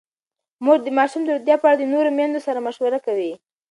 مور د ماشومانو د روغتیا په اړه د نورو میندو سره مشوره کوي.